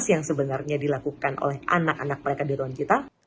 yang sebenarnya dilakukan oleh anak anak mereka di ruang kita